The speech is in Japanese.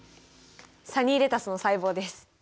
サニーレタスの細胞です。